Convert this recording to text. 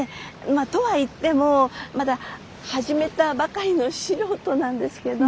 まあとは言ってもまだ始めたばかりの素人なんですけど。